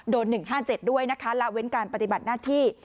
๑๕๗ด้วยนะคะละเว้นการปฏิบัติหน้าที่